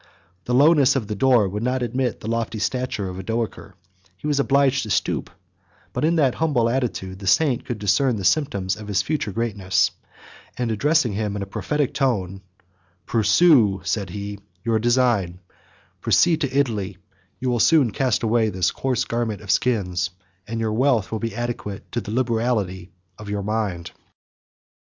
The lowness of the door would not admit the lofty stature of Odoacer: he was obliged to stoop; but in that humble attitude the saint could discern the symptoms of his future greatness; and addressing him in a prophetic tone, "Pursue" (said he) "your design; proceed to Italy; you will soon cast away this coarse garment of skins; and your wealth will be adequate to the liberality of your mind."